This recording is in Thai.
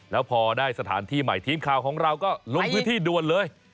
แล้วพอได้สถานที่ใหม่ทีมข่าวของเราก็ลงพื้นที่ด่วนเลย